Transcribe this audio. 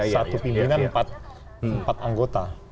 satu pimpinan empat anggota